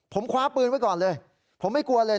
ผมคว้าปืนไว้ก่อนเลยผมไม่กลัวเลย